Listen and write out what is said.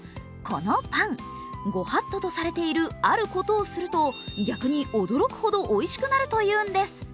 このパン、御法度とされているあることをすると、逆に驚くほどおいしくなるというんです。